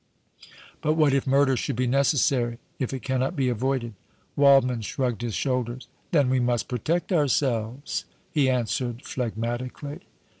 "But what if murder should be necessary, if it cannot be avoided?" Waldmann shrugged his shoulders. "Then we must protect ourselves," he answered, phlegmatically.